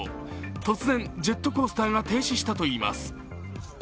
突然、ジェットコースターが停止したといいます。